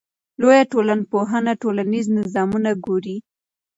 لویه ټولنپوهنه ټولنیز نظامونه ګوري.